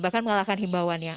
bahkan mengalahkan himbauannya